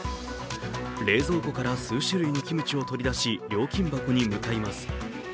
冷蔵庫から数種類のキムチを取り出し、料金箱に向かいます。